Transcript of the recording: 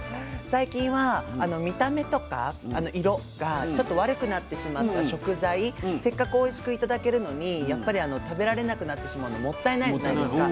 最近は見た目とか色がちょっと悪くなってしまった食材せっかくおいしく頂けるのにやっぱり食べられなくなってしまうのもったいないじゃないですか。